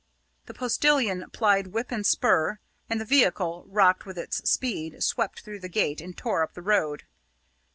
The postillion plied whip and spur, and the vehicle, rocking with its speed, swept through the gate and tore up the road.